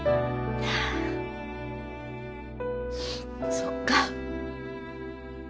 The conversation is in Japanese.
そっか。